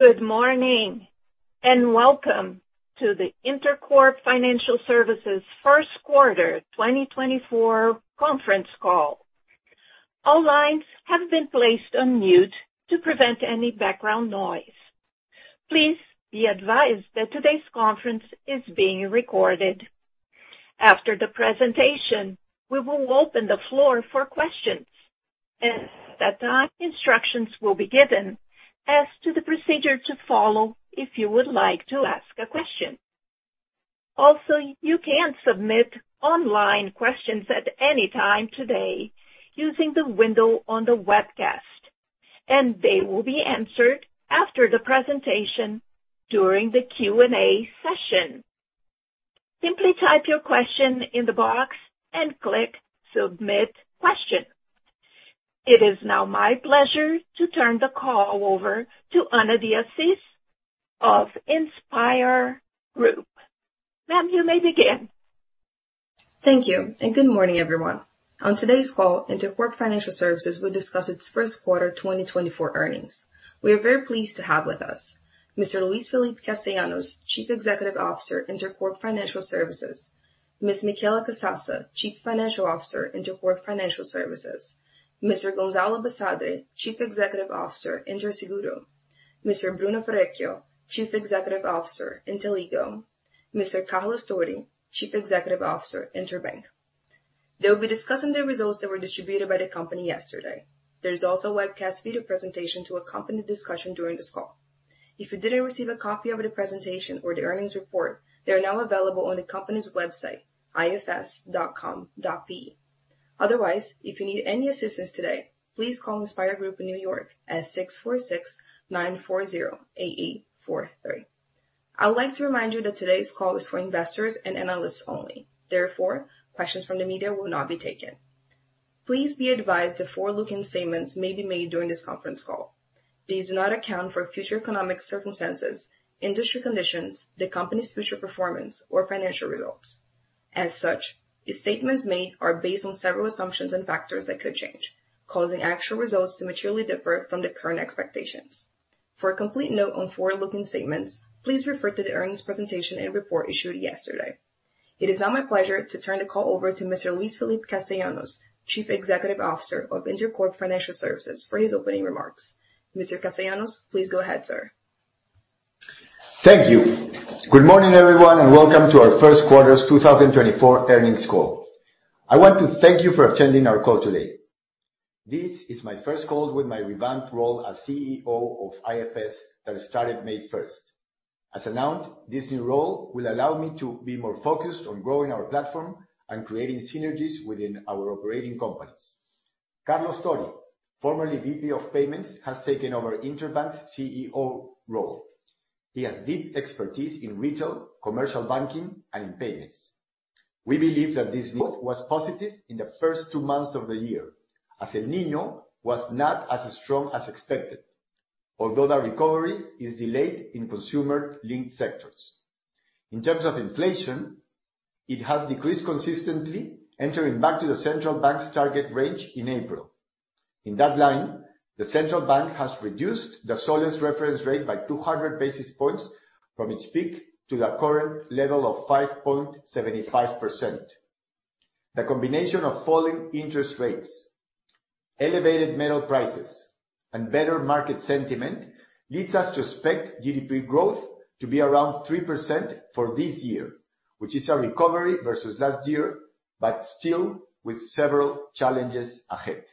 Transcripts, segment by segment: Good morning and welcome to the Intercorp Financial Services First Quarter 2024 Conference Call. All lines have been placed on mute to prevent any background noise. Please be advised that today's conference is being recorded. After the presentation, we will open the floor for questions, and at that time instructions will be given as to the procedure to follow if you would like to ask a question. Also, you can submit online questions at any time today using the window on the webcast, and they will be answered after the presentation during the Q&A session. Simply type your question in the box and click Submit Question. It is now my pleasure to turn the call over to Ana Díaz-Sis of InspIR Group. Ma'am, you may begin. Thank you, and good morning, everyone. On today's call, Intercorp Financial Services will discuss its first quarter 2024 earnings. We are very pleased to have with us: Mr. Luis Felipe Castellanos, Chief Executive Officer, Intercorp Financial Services; Ms. Michela Casassa, Chief Financial Officer, Intercorp Financial Services; Mr. Gonzalo Basadre, Chief Executive Officer, Interseguro; Mr. Bruno Ferrecchio, Chief Executive Officer, Inteligo; Mr. Carlos Tori, Chief Executive Officer, Interbank. They will be discussing the results that were distributed by the company yesterday. There is also a webcast video presentation to accompany the discussion during this call. If you didn't receive a copy of the presentation or the earnings report, they are now available on the company's website, ifs.com.pe. Otherwise, if you need any assistance today, please call InspIR Group in New York at 646-940-8843. I would like to remind you that today's call is for investors and analysts only. Therefore, questions from the media will not be taken. Please be advised that forward-looking statements may be made during this conference call. These do not account for future economic circumstances, industry conditions, the company's future performance, or financial results. As such, the statements made are based on several assumptions and factors that could change, causing actual results to materially differ from the current expectations. For a complete note on forward-looking statements, please refer to the earnings presentation and report issued yesterday. It is now my pleasure to turn the call over to Mr. Luis Felipe Castellanos, Chief Executive Officer of Intercorp Financial Services, for his opening remarks. Mr. Castellanos, please go ahead, sir. Thank you. Good morning, everyone, and welcome to our first quarter 2024 earnings call. I want to thank you for attending our call today. This is my first call with my revamped role as CEO of IFS that started May 1st. As announced, this new role will allow me to be more focused on growing our platform and creating synergies within our operating companies. Carlos Tori, formerly VP of Payments, has taken over Interbank's CEO role. He has deep expertise in retail, commercial banking, and in payments. We believe that this growth was positive in the first two months of the year, as El Niño was not as strong as expected, although the recovery is delayed in consumer-linked sectors. In terms of inflation, it has decreased consistently, entering back to the central bank's target range in April. In that line, the central bank has reduced the policy reference rate by 200 basis points from its peak to the current level of 5.75%. The combination of falling interest rates, elevated metal prices, and better market sentiment leads us to expect GDP growth to be around 3% for this year, which is a recovery versus last year, but still with several challenges ahead.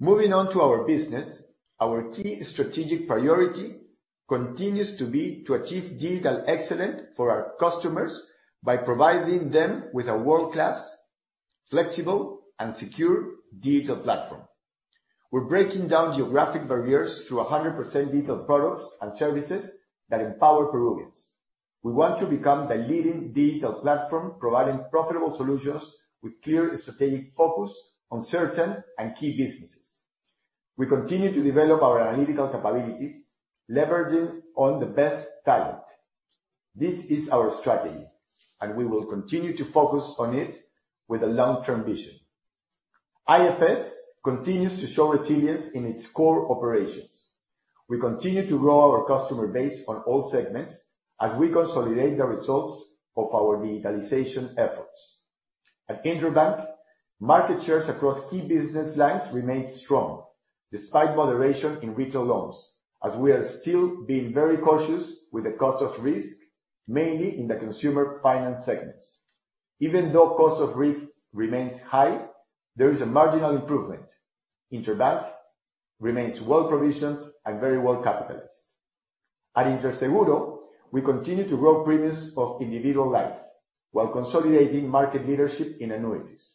Moving on to our business, our key strategic priority continues to be to achieve digital excellence for our customers by providing them with a world-class, flexible, and secure digital platform. We're breaking down geographic barriers through 100% digital products and services that empower Peruvians. We want to become the leading digital platform providing profitable solutions with clear strategic focus on certain and key businesses. We continue to develop our analytical capabilities, leveraging on the best talent. This is our strategy, and we will continue to focus on it with a long-term vision. IFS continues to show resilience in its core operations. We continue to grow our customer base on all segments as we consolidate the results of our digitalization efforts. At Interbank, market shares across key business lines remain strong despite moderation in retail loans, as we are still being very cautious with the cost of risk, mainly in the consumer finance segments. Even though cost of risk remains high, there is a marginal improvement. Interbank remains well-provisioned and very well-capitalized. At Interseguro, we continue to grow premiums of individual life while consolidating market leadership in annuities.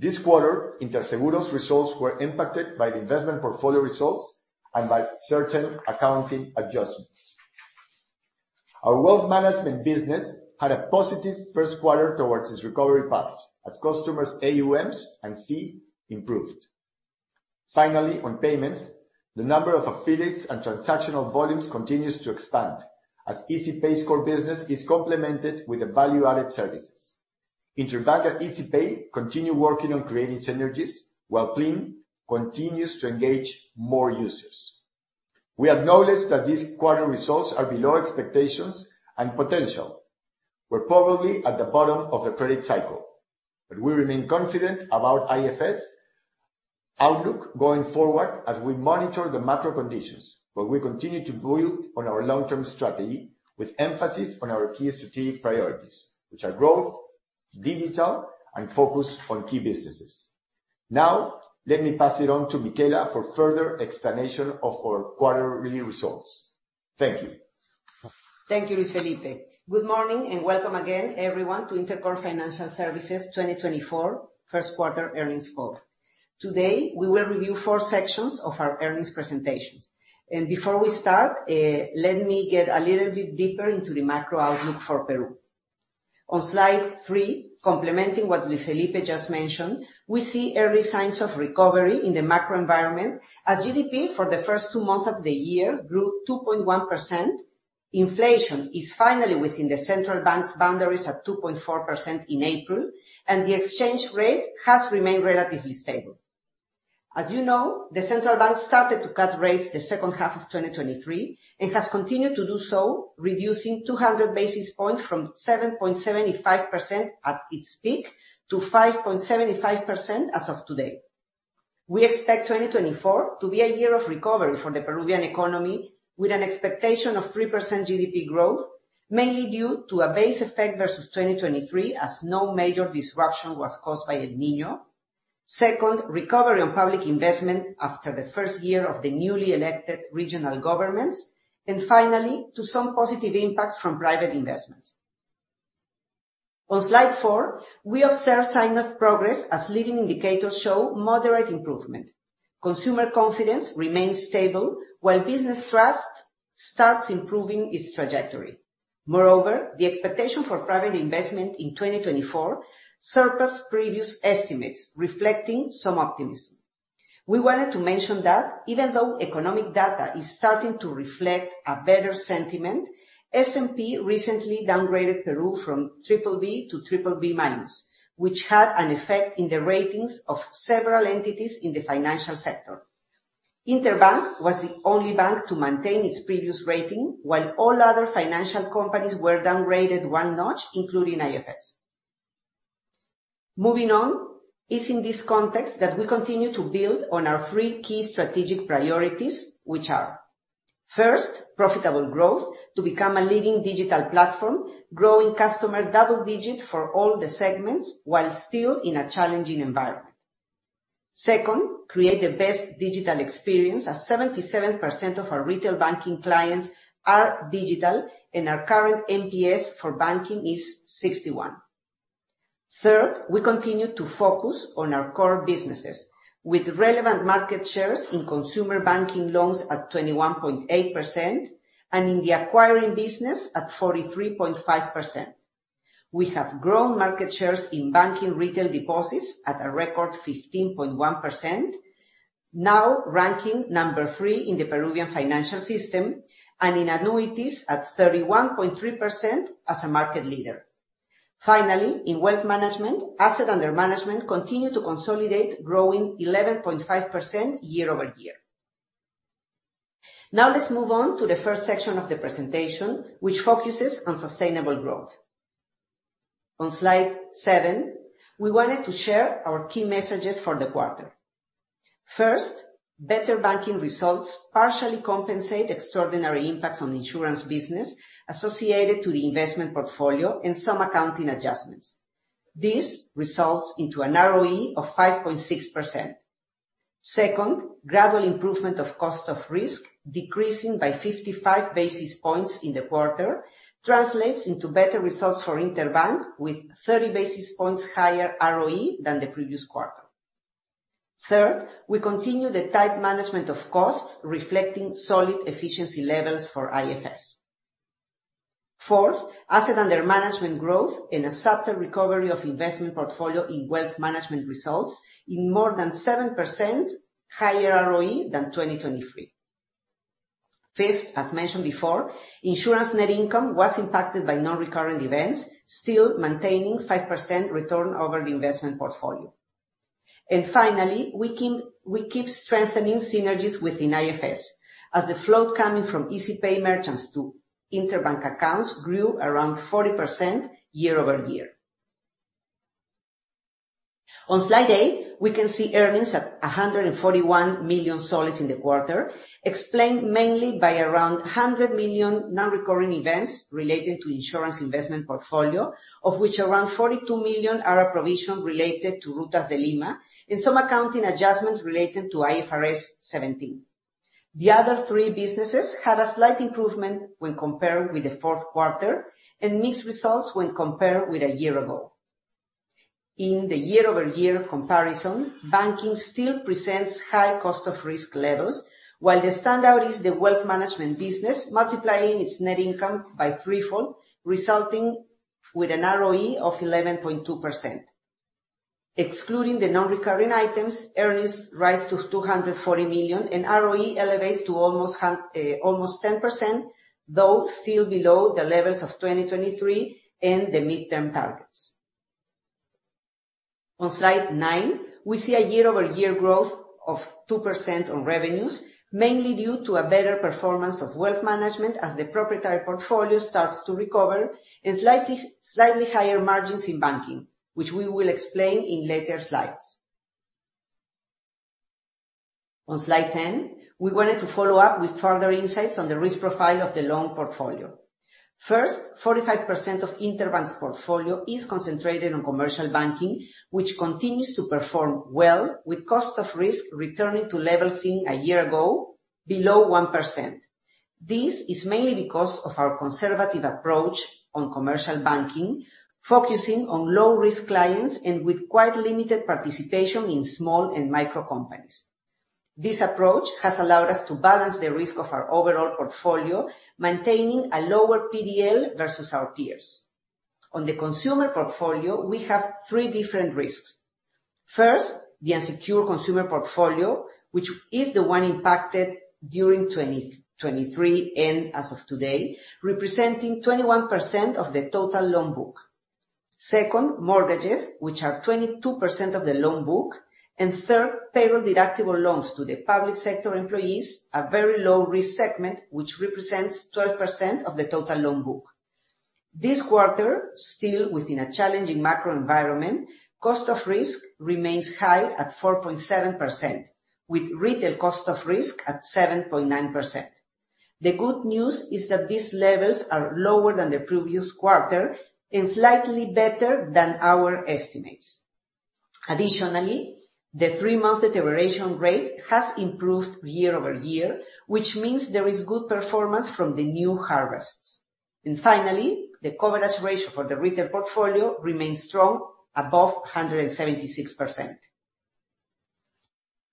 This quarter, Interseguro's results were impacted by the investment portfolio results and by certain accounting adjustments. Our wealth management business had a positive first quarter towards its recovery path as customers' AUMs and fees improved. Finally, on payments, the number of affiliates and transactional volumes continues to expand as Izipay's core business is complemented with value-added services. Interbank at Izipay continues working on creating synergies while Plin continues to engage more users. We acknowledge that this quarter's results are below expectations and potential. We're probably at the bottom of the credit cycle, but we remain confident about IFS' outlook going forward as we monitor the macro conditions, while we continue to build on our long-term strategy with emphasis on our key strategic priorities, which are growth, digital, and focus on key businesses. Now, let me pass it on to Michela for further explanation of our quarterly results. Thank you. Thank you, Luis Felipe. Good morning and welcome again, everyone, to Intercorp Financial Services 2024 first quarter earnings call. Today, we will review four sections of our earnings presentations, and before we start, let me get a little bit deeper into the macro outlook for Peru. On slide three, complementing what Luis Felipe just mentioned, we see early signs of recovery in the macro environment as GDP for the first two months of the year grew 2.1%, inflation is finally within the central bank's boundaries at 2.4% in April, and the exchange rate has remained relatively stable. As you know, the central bank started to cut rates the second half of 2023 and has continued to do so, reducing 200 basis points from 7.75% at its peak to 5.75% as of today. We expect 2024 to be a year of recovery for the Peruvian economy with an expectation of 3% GDP growth, mainly due to a base effect versus 2023 as no major disruption was caused by El Niño, second, recovery on public investment after the first year of the newly elected regional governments, and finally, to some positive impacts from private investments. On slide four, we observe signs of progress as leading indicators show moderate improvement. Consumer confidence remains stable while business trust starts improving its trajectory. Moreover, the expectation for private investment in 2024 surpassed previous estimates, reflecting some optimism. We wanted to mention that even though economic data is starting to reflect a better sentiment, S&P recently downgraded Peru from BBB to BBB-, which had an effect in the ratings of several entities in the financial sector. Interbank was the only bank to maintain its previous rating while all other financial companies were downgraded one notch, including IFS. Moving on, it's in this context that we continue to build on our three key strategic priorities, which are: first, profitable growth to become a leading digital platform, growing customer double-digit for all the segments while still in a challenging environment. Second, create the best digital experience as 77% of our retail banking clients are digital and our current NPS for banking is 61. Third, we continue to focus on our core businesses with relevant market shares in consumer banking loans at 21.8% and in the acquiring business at 43.5%. We have grown market shares in banking retail deposits at a record 15.1%, now ranking number three in the Peruvian financial system, and in annuities at 31.3% as a market leader. Finally, in wealth management, asset under management continues to consolidate, growing 11.5% year-over-year. Now, let's move on to the first section of the presentation, which focuses on sustainable growth. On slide seven, we wanted to share our key messages for the quarter. First, better banking results partially compensate extraordinary impacts on the insurance business associated with the investment portfolio and some accounting adjustments. This results in an ROE of 5.6%. Second, gradual improvement of cost of risk, decreasing by 55 basis points in the quarter, translates into better results for Interbank with 30 basis points higher ROE than the previous quarter. Third, we continue the tight management of costs, reflecting solid efficiency levels for IFS. Fourth, asset under management growth and a subtle recovery of investment portfolio in wealth management results in more than 7% higher ROE than 2023. Fifth, as mentioned before, insurance net income was impacted by non-recurring events, still maintaining 5% return over the investment portfolio. Finally, we keep strengthening synergies within IFS as the float coming from Izipay merchants to Interbank accounts grew around 40% year-over-year. On slide eight, we can see earnings at PEN 141 million in the quarter, explained mainly by around PEN 100 million non-recurring events related to insurance investment portfolio, of which around PEN 42 million are a provision related to Rutas de Lima and some accounting adjustments related to IFRS 17. The other three businesses had a slight improvement when compared with the fourth quarter and mixed results when compared with a year ago. In the year-over-year comparison, banking still presents high cost of risk levels, while the standout is the wealth management business multiplying its net income by threefold, resulting in an ROE of 11.2%. Excluding the non-recurring items, earnings rise to PEN 240 million, and ROE elevates to almost 10%, though still below the levels of 2023 and the midterm targets. On slide 9, we see a year-over-year growth of 2% on revenues, mainly due to a better performance of wealth management as the proprietary portfolio starts to recover and slightly higher margins in banking, which we will explain in later slides. On slide 10, we wanted to follow up with further insights on the risk profile of the loan portfolio. First, 45% of Interbank's portfolio is concentrated on commercial banking, which continues to perform well with cost of risk returning to levels seen a year ago below 1%. This is mainly because of our conservative approach on commercial banking, focusing on low-risk clients and with quite limited participation in small and micro companies. This approach has allowed us to balance the risk of our overall portfolio, maintaining a lower PDL versus our peers. On the consumer portfolio, we have three different risks. First, the unsecured consumer portfolio, which is the one impacted during 2023 and as of today, representing 21% of the total loan book. Second, mortgages, which are 22% of the loan book. And third, payroll deductible loans to the public sector employees, a very low-risk segment, which represents 12% of the total loan book. This quarter, still within a challenging macro environment, cost of risk remains high at 4.7%, with retail cost of risk at 7.9%. The good news is that these levels are lower than the previous quarter and slightly better than our estimates. Additionally, the three-month deterioration rate has improved year-over-year, which means there is good performance from the new harvests. Finally, the coverage ratio for the retail portfolio remains strong above 176%.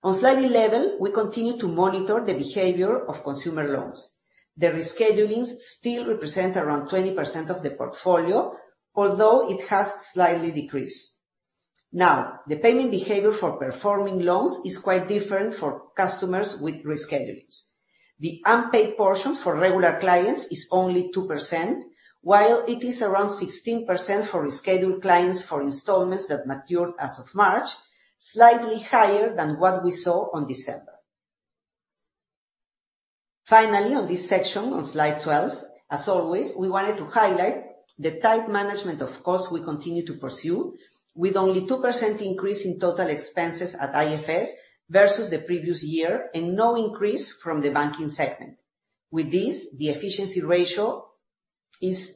On slide 11, we continue to monitor the behavior of consumer loans. The reschedulings still represent around 20% of the portfolio, although it has slightly decreased. Now, the payment behavior for performing loans is quite different for customers with reschedulings. The unpaid portion for regular clients is only 2%, while it is around 16% for rescheduled clients for installments that matured as of March, slightly higher than what we saw in December. Finally, on this section, on slide 12, as always, we wanted to highlight the tight management of costs we continue to pursue, with only a 2% increase in total expenses at IFS versus the previous year and no increase from the banking segment. With this, the efficiency ratio is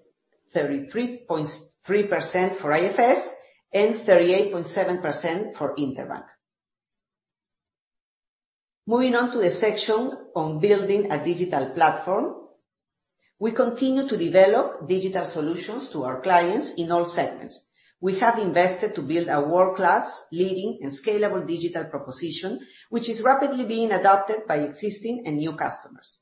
33.3% for IFS and 38.7% for Interbank. Moving on to the section on building a digital platform, we continue to develop digital solutions to our clients in all segments. We have invested to build a world-class, leading, and scalable digital proposition, which is rapidly being adopted by existing and new customers.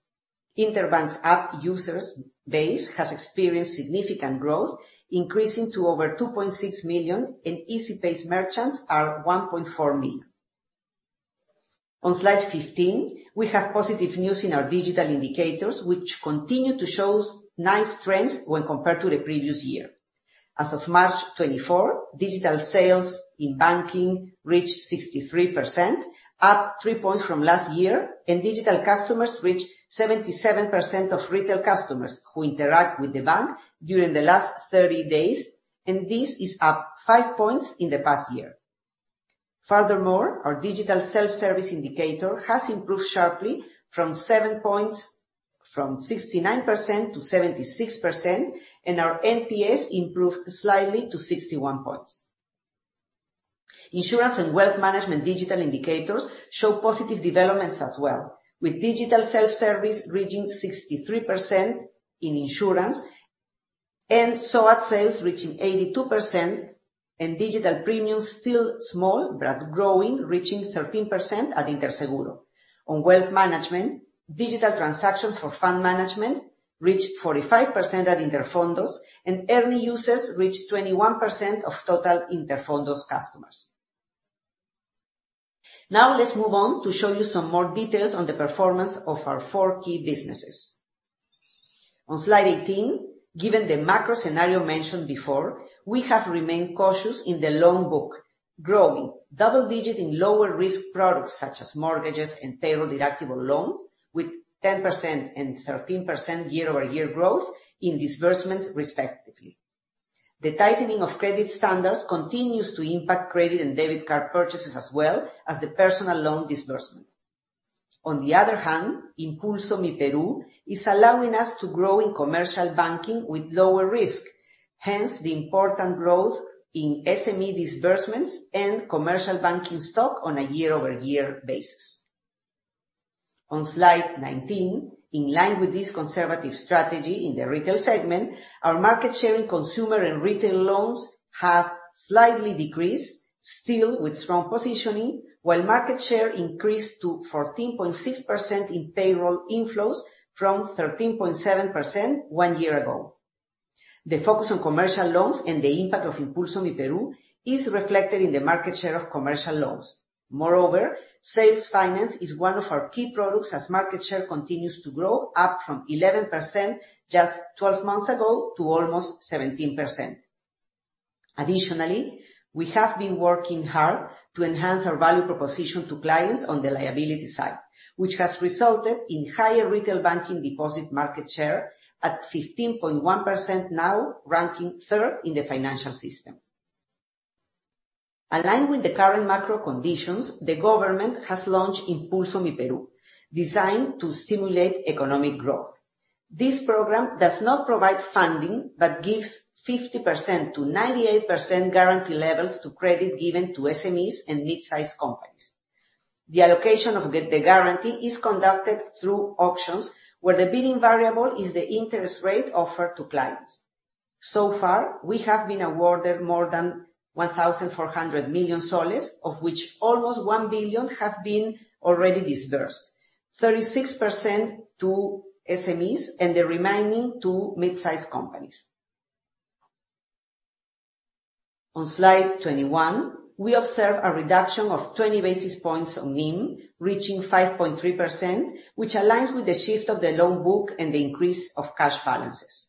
Interbank's app user base has experienced significant growth, increasing to over 2.6 million, and Izipay merchants are 1.4 million. On slide 15, we have positive news in our digital indicators, which continue to show nice trends when compared to the previous year. As of March 2024, digital sales in banking reached 63%, up three points from last year, and digital customers reached 77% of retail customers who interact with the bank during the last 30 days, and this is up five points in the past year. Furthermore, our digital self-service indicator has improved sharply from 69%-76%, and our NPS improved slightly to 61 points. Insurance and wealth management digital indicators show positive developments as well, with digital self-service reaching 63% in insurance and SOAT sales reaching 82%, and digital premiums still small but growing, reaching 13% at Interseguro. On wealth management, digital transactions for fund management reached 45% at Interfondos, and earning users reached 21% of total Interfondos customers. Now, let's move on to show you some more details on the performance of our four key businesses. On slide 18, given the macro scenario mentioned before, we have remained cautious in the loan book, growing double-digit in lower-risk products such as mortgages and payroll deductible loans with 10% and 13% year-over-year growth in disbursements, respectively. The tightening of credit standards continues to impact credit and debit card purchases as well as the personal loan disbursement. On the other hand, Impulso Myperú is allowing us to grow in commercial banking with lower risk, hence the important growth in SME disbursements and commercial banking stock on a year-over-year basis. On slide 19, in line with this conservative strategy in the retail segment, our market share in consumer and retail loans has slightly decreased, still with strong positioning, while market share increased to 14.6% in payroll inflows from 13.7% one year ago. The focus on commercial loans and the impact of Impulso Myperú is reflected in the market share of commercial loans. Moreover, Sales Finance is one of our key products as market share continues to grow, up from 11% just 12 months ago to almost 17%. Additionally, we have been working hard to enhance our value proposition to clients on the liability side, which has resulted in higher retail banking deposit market share at 15.1%, now ranking third in the financial system. Aligned with the current macro conditions, the government has launched Impulso Myperú, designed to stimulate economic growth. This program does not provide funding but gives 50%-98% guarantee levels to credit given to SMEs and midsize companies. The allocation of the guarantee is conducted through options where the bidding variable is the interest rate offered to clients. So far, we have been awarded more than PEN 1,400 million, of which almost PEN 1 billion have been already disbursed, 36% to SMEs and the remaining to midsize companies. On slide 21, we observe a reduction of 20 basis points on NIM, reaching 5.3%, which aligns with the shift of the loan book and the increase of cash balances.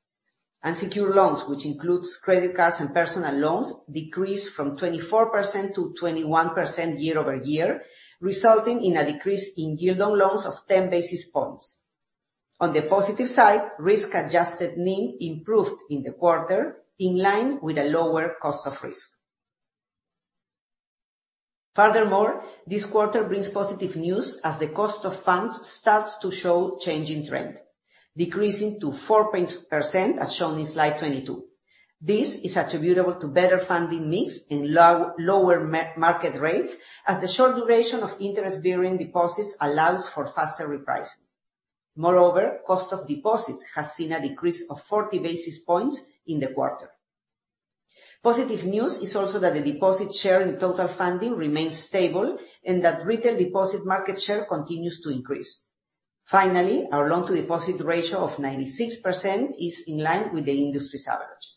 Unsecure loans, which include credit cards and personal loans, decreased from 24%-21% year-over-year, resulting in a decrease in yield on loans of 10 basis points. On the positive side, risk-adjusted NIM improved in the quarter, in line with a lower cost of risk. Furthermore, this quarter brings positive news as the cost of funds starts to show a changing trend, decreasing to 4.0% as shown in slide 22. This is attributable to better funding mix and lower market rates, as the short duration of interest-bearing deposits allows for faster repricing. Moreover, cost of deposits has seen a decrease of 40 basis points in the quarter. Positive news is also that the deposit share in total funding remains stable and that retail deposit market share continues to increase. Finally, our loan-to-deposit ratio of 96% is in line with the industry's average.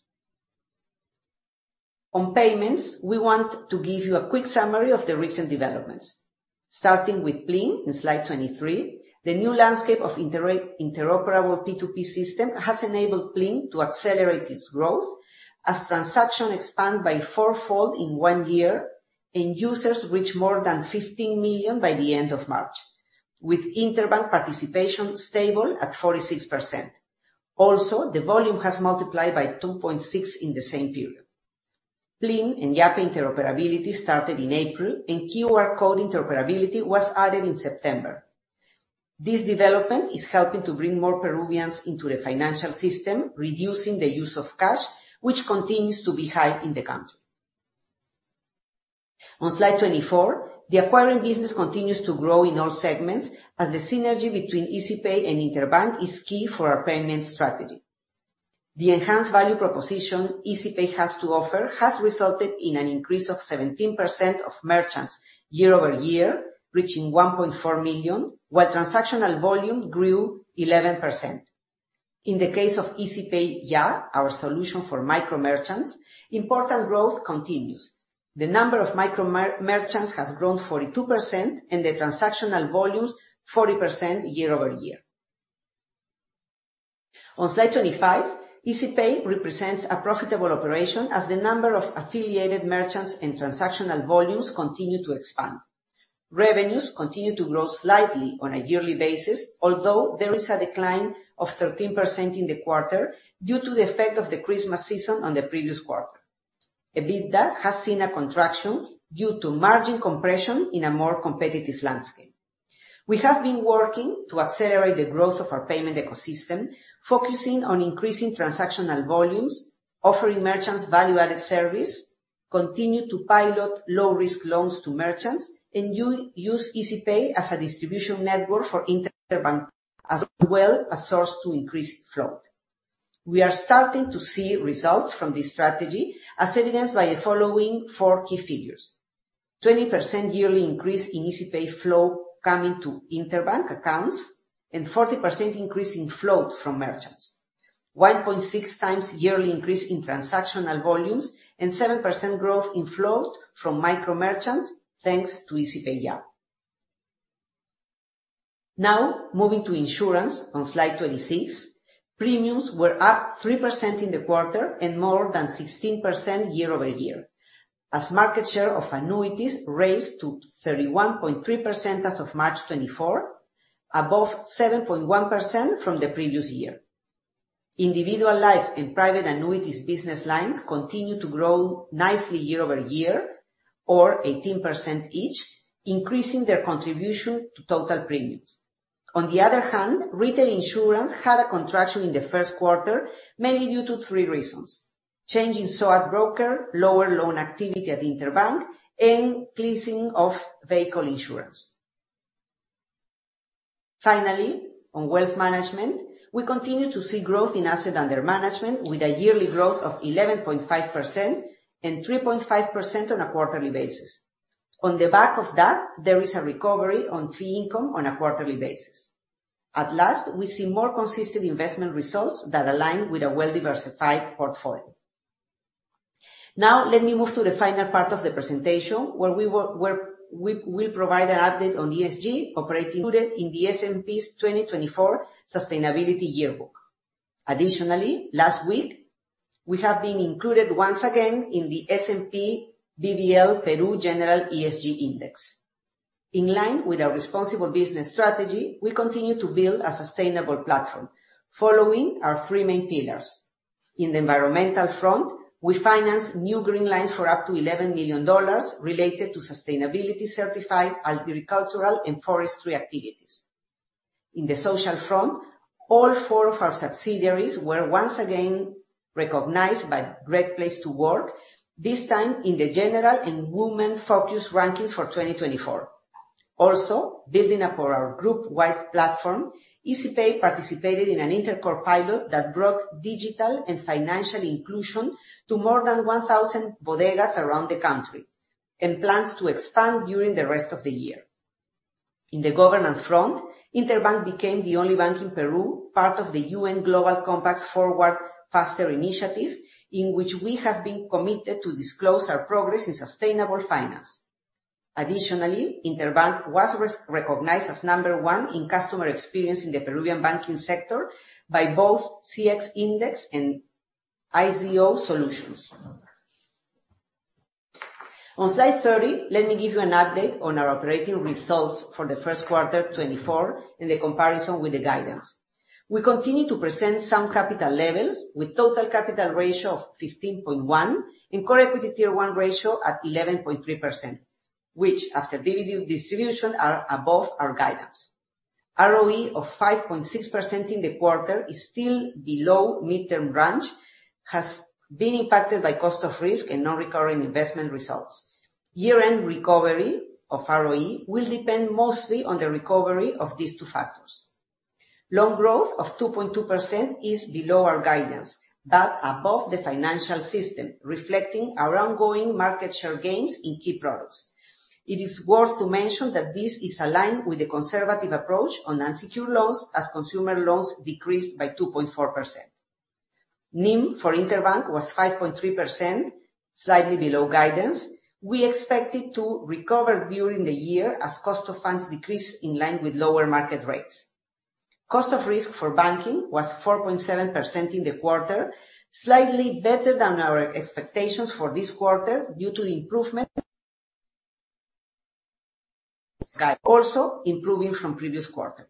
On payments, we want to give you a quick summary of the recent developments. Starting with Plin in slide 23, the new landscape of the interoperable P2P system has enabled Plin to accelerate its growth as transactions expand by fourfold in one year and users reach more than 15 million by the end of March, with Interbank participation stable at 46%. Also, the volume has multiplied by 2.6% in the same period. Plin and Yape interoperability started in April, and QR code interoperability was added in September. This development is helping to bring more Peruvians into the financial system, reducing the use of cash, which continues to be high in the country. On slide 24, the acquiring business continues to grow in all segments as the synergy between Izipay and Interbank is key for our payment strategy. The enhanced value proposition Izipay has to offer has resulted in an increase of 17% of merchants year-over-year, reaching 1.4 million, while transactional volume grew 11%. In the case of Izipay Ya, our solution for micro merchants, important growth continues. The number of micro merchants has grown 42% and the transactional volumes 40% year-over-year. On slide 25, Izipay represents a profitable operation as the number of affiliated merchants and transactional volumes continue to expand. Revenues continue to grow slightly on a yearly basis, although there is a decline of 13% in the quarter due to the effect of the Christmas season on the previous quarter. And it has seen a contraction due to margin compression in a more competitive landscape. We have been working to accelerate the growth of our payment ecosystem, focusing on increasing transactional volumes, offering merchants value-added service, continuing to pilot low-risk loans to merchants, and using Izipay as a distribution network for Interbank as well as a source to increase float. We are starting to see results from this strategy, as evidenced by the following four key figures: 20% yearly increase in Izipay flow coming to Interbank accounts and 40% increase in float from merchants, 1.6 times yearly increase in transactional volumes, and 7% growth in float from micro merchants thanks to Izipay Ya. Now, moving to insurance on slide 26, premiums were up 3% in the quarter and more than 16% year-over-year as market share of annuities raised to 31.3% as of March 2024, above 7.1% from the previous year. Individual life and private annuities business lines continue to grow nicely year-over-year, or 18% each, increasing their contribution to total premiums. On the other hand, retail insurance had a contraction in the first quarter, mainly due to three reasons: changing SOAT broker, lower loan activity at Interbank, and increasing vehicle insurance. Finally, on wealth management, we continue to see growth in asset under management with a yearly growth of 11.5% and 3.5% on a quarterly basis. On the back of that, there is a recovery on fee income on a quarterly basis. At last, we see more consistent investment results that align with a well-diversified portfolio. Now, let me move to the final part of the presentation where we will provide an update on ESG operating in the S&P's 2024 Sustainability Yearbook. Additionally, last week, we have been included once again in the S&P BVL Peru General ESG Index. In line with our responsible business strategy, we continue to build a sustainable platform following our three main pillars. In the environmental front, we finance new green lines for up to $11 million related to sustainability-certified agricultural and forestry activities. In the social front, all four of our subsidiaries were once again recognized by Great Place to Work, this time in the general and women-focused rankings for 2024. Also, building up our group-wide platform, Izipay participated in an intercorp pilot that brought digital and financial inclusion to more than 1,000 bodegas around the country and plans to expand during the rest of the year. In the governance front, Interbank became the only bank in Peru part of the UN Global Compact's Forward Faster Initiative, in which we have been committed to disclose our progress in sustainable finance. Additionally, Interbank was recognized as number 1 in customer experience in the Peruvian banking sector by both CX Index and IZO. On slide 30, let me give you an update on our operating results for the first quarter 2024 and the comparison with the guidance. We continue to present some capital levels with a total capital ratio of 15.1% and Core Equity Tier One ratio at 11.3%, which, after dividend distribution, are above our guidance. ROE of 5.6% in the quarter is still below mid-term range, has been impacted by cost of risk and non-recurring investment results. Year-end recovery of ROE will depend mostly on the recovery of these two factors. Loan growth of 2.2% is below our guidance but above the financial system, reflecting our ongoing market share gains in key products. It is worth to mention that this is aligned with the conservative approach on unsecure loans, as consumer loans decreased by 2.4%. NIM for Interbank was 5.3%, slightly below guidance. We expected to recover during the year as cost of funds decreased in line with lower market rates. Cost of risk for banking was 4.7% in the quarter, slightly better than our expectations for this quarter due to improvement, also improving from previous quarter.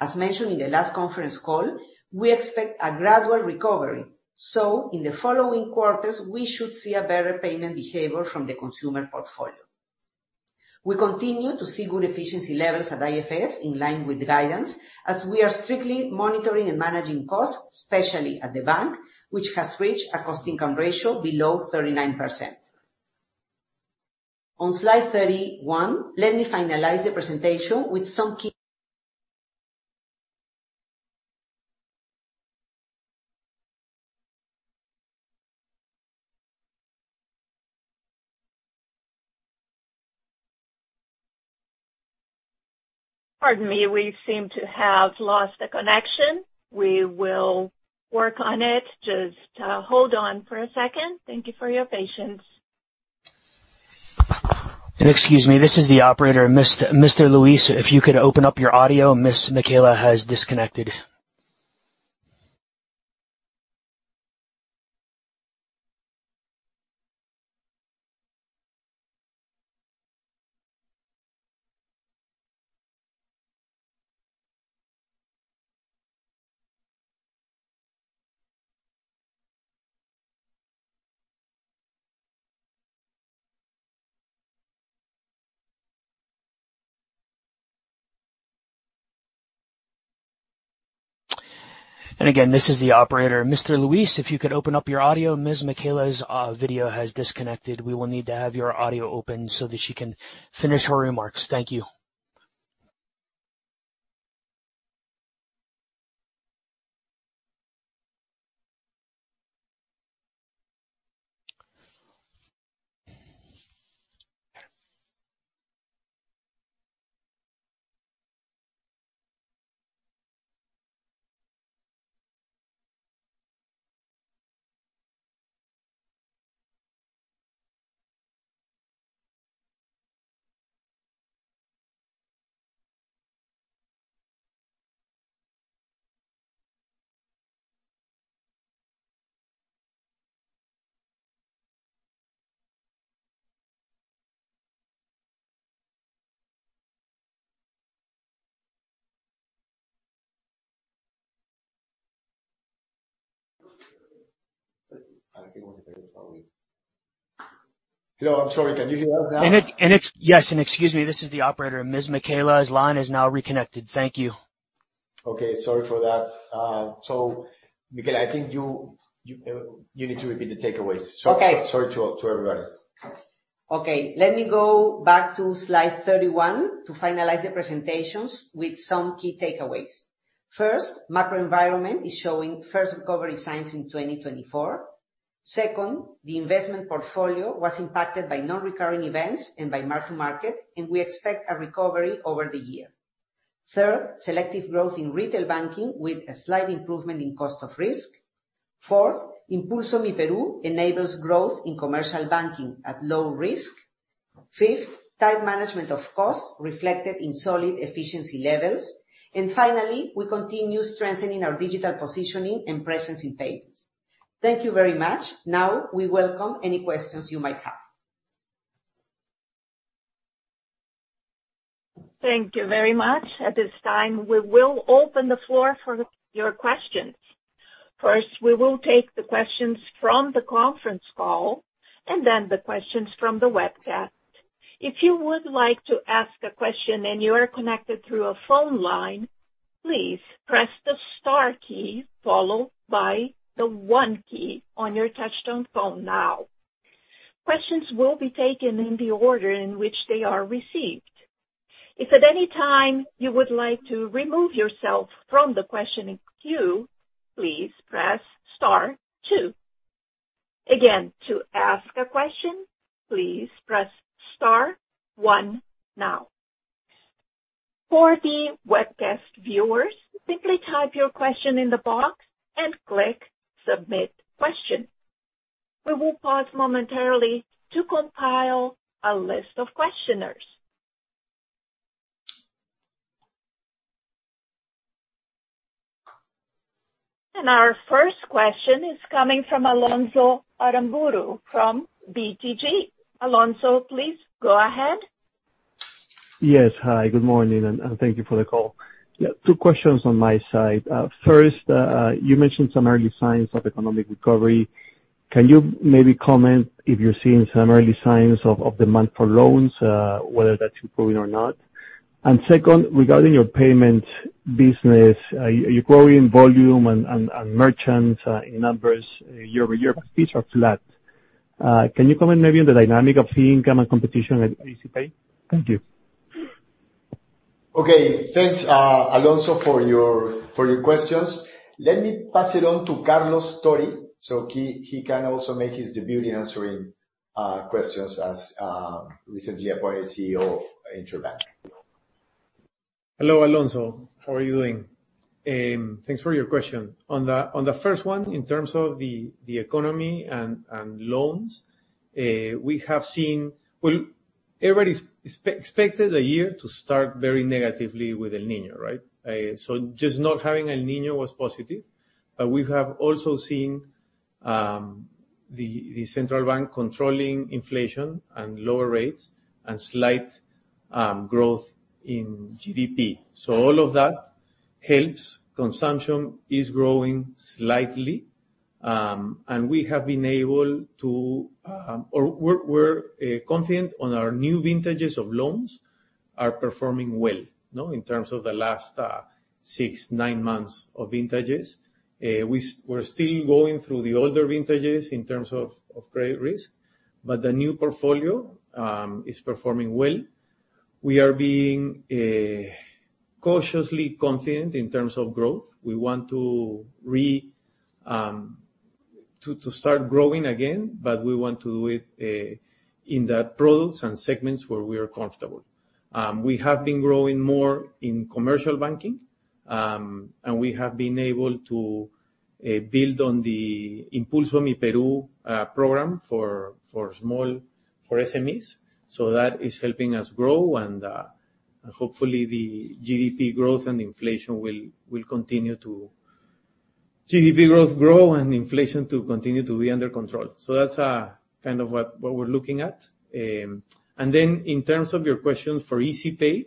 As mentioned in the last conference call, we expect a gradual recovery, so in the following quarters, we should see a better payment behavior from the consumer portfolio. We continue to see good efficiency levels at IFS in line with guidance, as we are strictly monitoring and managing costs, especially at the bank, which has reached a cost-income ratio below 39%. On slide 31, let me finalize the presentation with some key. Pardon me, we seem to have lost the connection. We will work on it. Just hold on for a second. Thank you for your patience. Excuse me, this is the operator. Mr. Luis, if you could open up your audio. Ms. Michela has disconnected. And again, this is the operator. Mr. Luis, if you could open up your audio. Ms. Michela's video has disconnected. We will need to have your audio open so that she can finish her remarks. Thank you. I think it was there, probably. Hello, I'm sorry. Can you hear us now? Excuse me, this is the operator. Ms. Michela's line is now reconnected. Thank you. Okay, sorry for that. So, Michela, I think you need to repeat the takeaways. Sorry to everybody. Okay. Let me go back to slide 31 to finalize the presentations with some key takeaways. First, macro environment is showing first recovery signs in 2024. Second, the investment portfolio was impacted by non-recurring events and by mark-to-market, and we expect a recovery over the year. Third, selective growth in retail banking with a slight improvement in cost of risk. Fourth, Impulso Myperú enables growth in commercial banking at low risk. Fifth, tight management of costs reflected in solid efficiency levels. And finally, we continue strengthening our digital positioning and presence in payments. Thank you very much. Now, we welcome any questions you might have. Thank you very much. At this time, we will open the floor for your questions. First, we will take the questions from the conference call and then the questions from the webcast. If you would like to ask a question and you are connected through a phone line, please press the star key followed by the one key on your touch-tone phone now. Questions will be taken in the order in which they are received. If at any time you would like to remove yourself from the questioning queue, please press star two. Again, to ask a question, please press star one now. For the webcast viewers, simply type your question in the box and click submit question. We will pause momentarily to compile a list of questioners. Our first question is coming from Alonzo Aramburú from BTG. Alonzo, please go ahead. Yes, hi. Good morning, and thank you for the call. Yeah, two questions on my side. First, you mentioned some early signs of economic recovery. Can you maybe comment if you're seeing some early signs of demand for loans, whether that's improving or not? And second, regarding your payment business, you're growing in volume and merchants, in numbers, year over year, but these are flat. Can you comment maybe on the dynamic of fee income and competition at Izipay? Thank you. Okay, thanks, Alonzo, for your questions. Let me pass it on to Carlos Tori, so he can also make his debut in answering questions as recently appointed CEO of Interbank. Hello, Alonzo. How are you doing? Thanks for your question. On the first one, in terms of the economy and loans, we have seen. Well, everybody's expected the year to start very negatively with El Niño, right? So just not having El Niño was positive. But we have also seen the central bank controlling inflation and lower rates and slight growth in GDP. So all of that helps. Consumption is growing slightly, and we have been able to, or we're confident our new vintages of loans are performing well, you know, in terms of the last 6-9 months of vintages. We're still going through the older vintages in terms of great risk, but the new portfolio is performing well. We are being cautiously confident in terms of growth. We want to start growing again, but we want to do it in those products and segments where we are comfortable. We have been growing more in commercial banking, and we have been able to build on the Impulso Myperú program for SMEs. So that is helping us grow, and hopefully, the GDP growth and inflation will continue to grow and inflation to continue to be under control. So that's kind of what we're looking at. And then in terms of your questions for Izipay,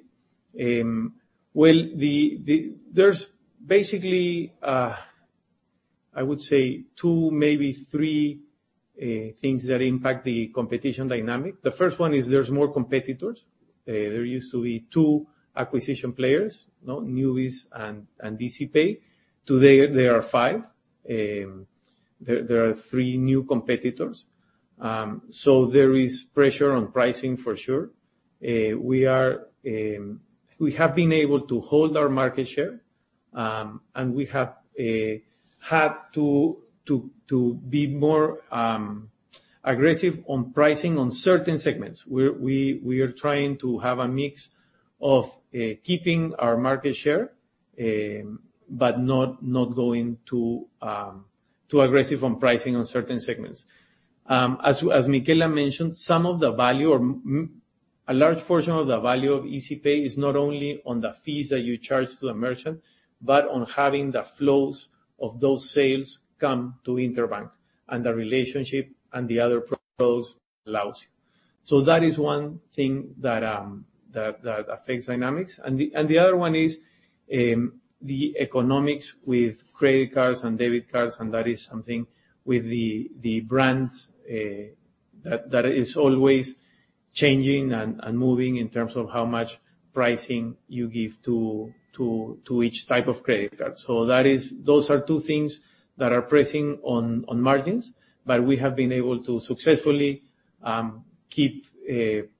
well, there's basically, I would say two, maybe three, things that impact the competition dynamic. The first one is there's more competitors. There used to be two acquiring players, you know, Niubiz and Izipay. Today, there are five. There are three new competitors. So there is pressure on pricing for sure. We have been able to hold our market share, and we have had to be more aggressive on pricing on certain segments. We're trying to have a mix of keeping our market share, but not going too aggressive on pricing on certain segments. As Michela mentioned, some of the value or a large portion of the value of Izipay is not only on the fees that you charge to the merchant, but on having the flows of those sales come to Interbank and the relationship and the other pros allows you. So that is one thing that affects dynamics. And the other one is the economics with credit cards and debit cards, and that is something with the brands that is always changing and moving in terms of how much pricing you give to each type of credit card. So those are two things that are pressing on margins, but we have been able to successfully keep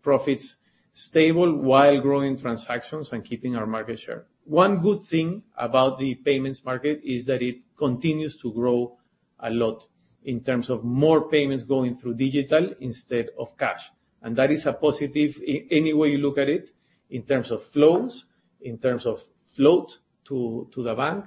profits stable while growing transactions and keeping our market share. One good thing about the payments market is that it continues to grow a lot in terms of more payments going through digital instead of cash, and that is a positive in any way you look at it, in terms of flows, in terms of float to the bank,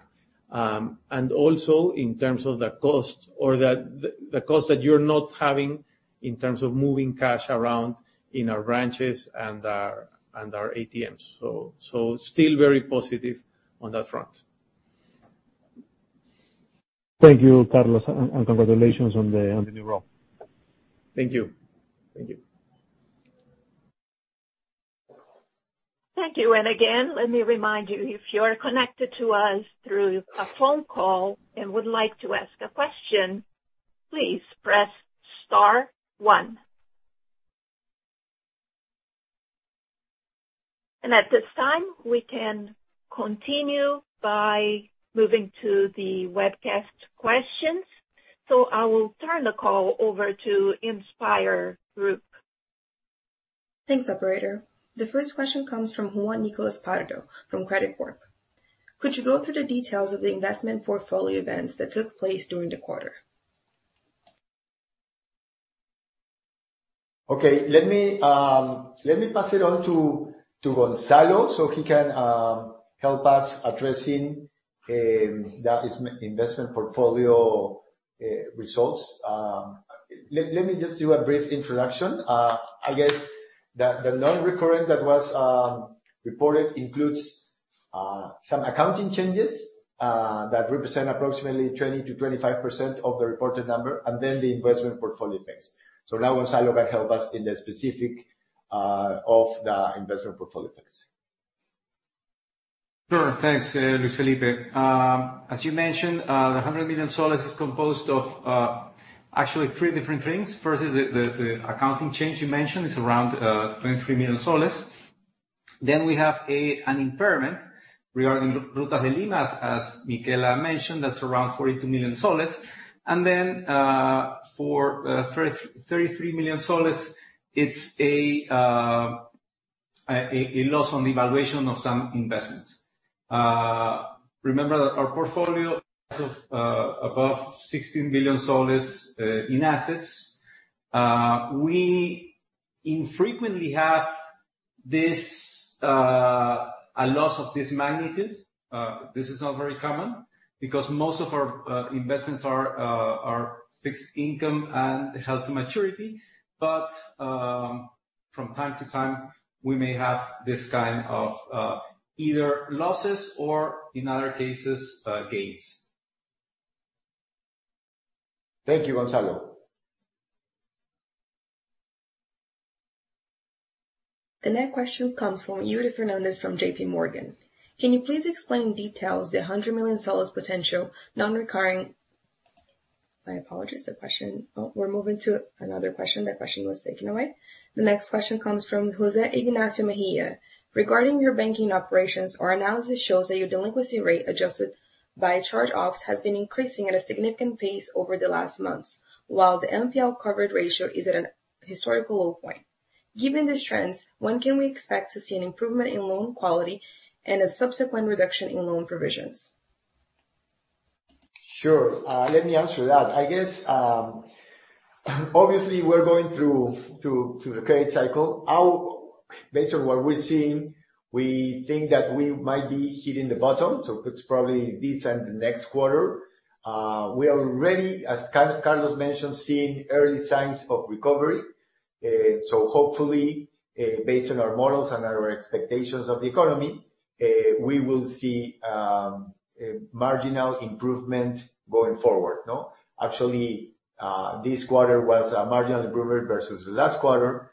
and also in terms of the cost or the cost that you're not having in terms of moving cash around in our branches and our ATMs. So, still very positive on that front. Thank you, Carlos, and congratulations on the new role. Thank you. Thank you. Thank you. Again, let me remind you, if you are connected to us through a phone call and would like to ask a question, please press star one. At this time, we can continue by moving to the webcast questions. I will turn the call over to InspIR Group. Thanks, operator. The first question comes from Juan Nicolás Pardo from Credicorp. Could you go through the details of the investment portfolio events that took place during the quarter? Okay, let me pass it on to Gonzalo so he can help us addressing that investment portfolio results. Let me just do a brief introduction. I guess the non-recurring that was reported includes some accounting changes that represent approximately 20%-25% of the reported number, and then the investment portfolio effects. So now Gonzalo can help us in the specifics of the investment portfolio effects. Sure. Thanks, Luis Felipe. As you mentioned, the PEN 100 million is composed of, actually three different things. First is the accounting change you mentioned is around PEN 23 million. Then we have an impairment regarding Rutas de Lima, as Michela mentioned, that's around PEN 42 million. And then, for PEN 33 million, it's a loss on the evaluation of some investments. Remember that our portfolio is of above PEN 16 billion in assets. We infrequently have this a loss of this magnitude. This is not very common because most of our investments are fixed income and held to maturity, but from time to time, we may have this kind of either losses or, in other cases, gains. Thank you, Gonzalo. The next question comes from Yuri Fernandes from J.P. Morgan. Can you please explain in details the PEN 100 million potential non-recurring my apologies, the question. Oh, we're moving to another question. That question was taken away. The next question comes from José Ignacio Mejía. Regarding your banking operations, our analysis shows that your delinquency rate adjusted by charge-offs has been increasing at a significant pace over the last months, while the NPL coverage ratio is at a historical low point. Given these trends, when can we expect to see an improvement in loan quality and a subsequent reduction in loan provisions? Sure. Let me answer that. I guess, obviously, we're going through the credit cycle. Based on what we're seeing, we think that we might be hitting the bottom, so it's probably this and the next quarter. We already, as Carlos mentioned, seen early signs of recovery. So hopefully, based on our models and our expectations of the economy, we will see a marginal improvement going forward, you know? Actually, this quarter was a marginal improvement versus the last quarter.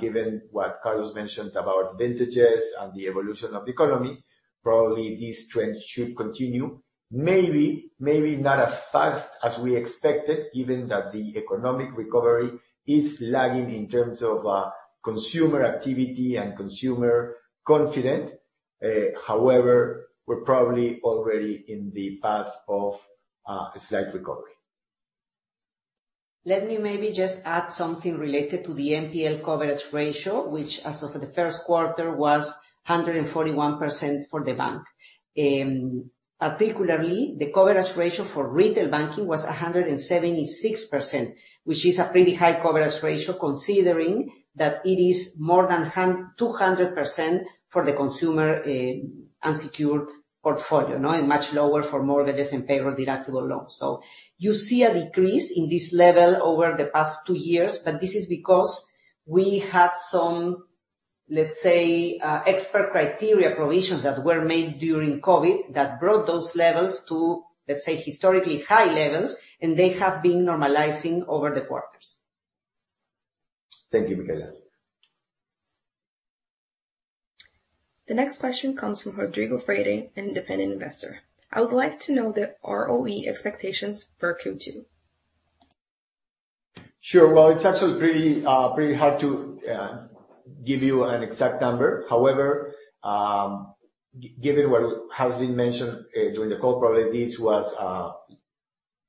Given what Carlos mentioned about vintages and the evolution of the economy, probably these trends should continue. Maybe, maybe not as fast as we expected, given that the economic recovery is lagging in terms of consumer activity and consumer confidence. However, we're probably already in the path of slight recovery. Let me maybe just add something related to the NPL coverage ratio, which as of the first quarter was 141% for the bank. Particularly, the coverage ratio for retail banking was 176%, which is a pretty high coverage ratio considering that it is more than 200% for the consumer, unsecured portfolio, you know, and much lower for mortgages and payroll deductible loans. So you see a decrease in this level over the past two years, but this is because we had some, let's say, expert criteria provisions that were made during COVID that brought those levels to, let's say, historically high levels, and they have been normalizing over the quarters. Thank you, Michela. The next question comes from Rodrigo Freire, an independent investor. I would like to know the ROE expectations per Q2. Sure. Well, it's actually pretty hard to give you an exact number. However, given what has been mentioned during the call, probably this was a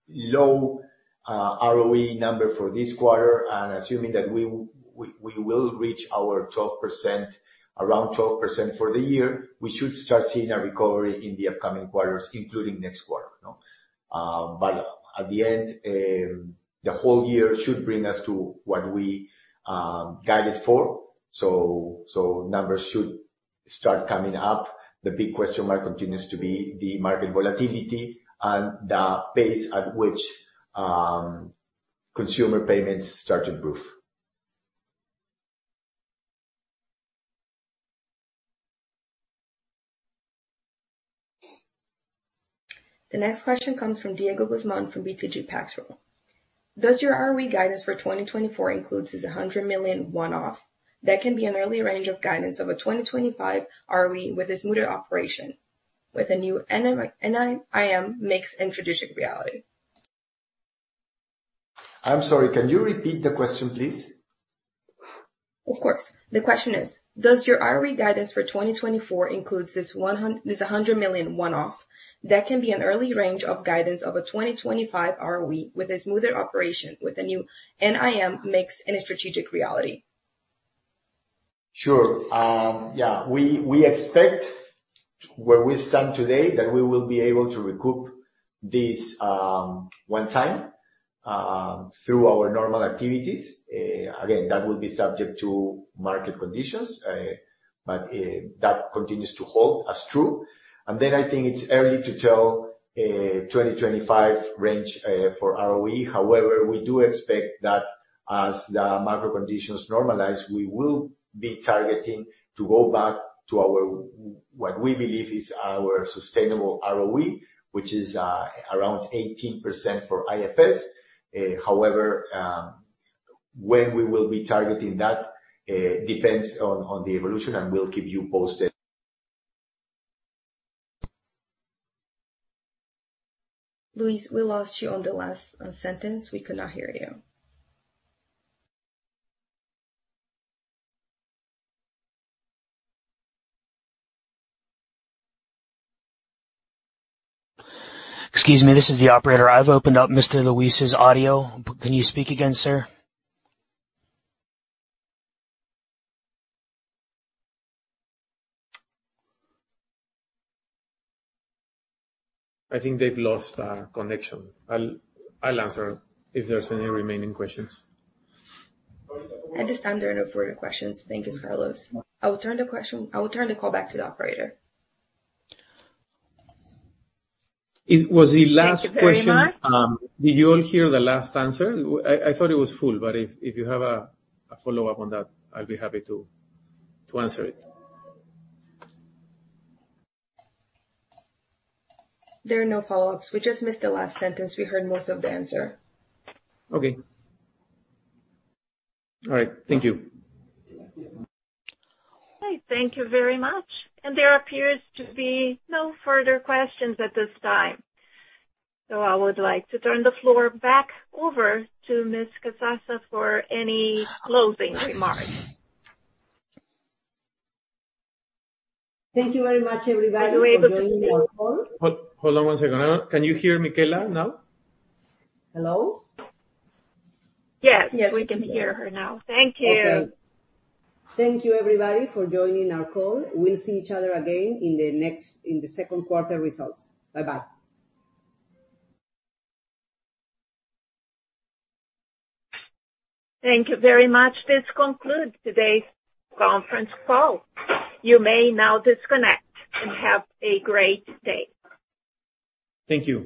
low ROE number for this quarter. And assuming that we will reach our 12% around 12% for the year, we should start seeing a recovery in the upcoming quarters, including next quarter, you know? But at the end, the whole year should bring us to what we guided for. So numbers should start coming up. The big question mark continues to be the market volatility and the pace at which consumer payments start to improve. The next question comes from Diego Guzmán from BTG Pactual. Does your ROE guidance for 2024 include this PEN 100 million one-off? That can be an early range of guidance of a 2025 ROE with a smoother operation, with a new NIM mix in a digital reality. I'm sorry. Can you repeat the question, please? Of course. The question is, does your ROE guidance for 2024 include this PEN 100 million one-off? That can be an early range of guidance of a 2025 ROE with a smoother operation, with a new NIM mix in a strategic reality. Sure. Yeah, we, we expect where we stand today that we will be able to recoup this one time through our normal activities. Again, that will be subject to market conditions, but that continues to hold as true. And then I think it's early to tell 2025 range for ROE. However, we do expect that as the macro conditions normalize, we will be targeting to go back to our what we believe is our sustainable ROE, which is around 18% for IFS. However, when we will be targeting that depends on the evolution, and we'll keep you posted. Luis, we lost you on the last sentence. We could not hear you. Excuse me, this is the operator. I've opened up Mr. Luis's audio. Can you speak again, sir? I think they've lost connection. I'll answer if there's any remaining questions. I just found there are no further questions. Thank you, Carlos. I'll turn the call back to the operator. It was the last question. Thank you very much. Did you all hear the last answer? I thought it was full, but if you have a follow-up on that, I'll be happy to answer it. There are no follow-ups. We just missed the last sentence. We heard most of the answer. Okay. All right. Thank you. Okay. Thank you very much. There appears to be no further questions at this time. I would like to turn the floor back over to Ms. Casassa for any closing remarks. Thank you very much, everybody, for joining our call. Are you able to hear me now? Hold, hold on one second. Can you hear Michela now? Hello? Yes. We can hear her now. Thank you. Okay. Thank you, everybody, for joining our call. We'll see each other again in the next second quarter results. Bye-bye. Thank you very much. This concludes today's conference call. You may now disconnect and have a great day. Thank you.